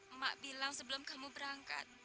emak bilang sebelum kamu berangkat